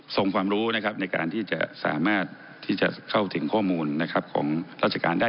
ความรู้นะครับในการที่จะสามารถที่จะเข้าถึงข้อมูลของราชการได้